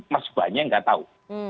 masih banyak yang gak tahu